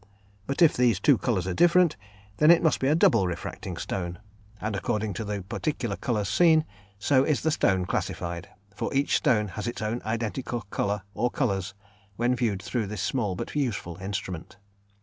But if these two colours are different, then it must be a double refracting stone, and according to the particular colours seen, so is the stone classified, for each stone has its own identical colour or colours when viewed through this small but useful instrument.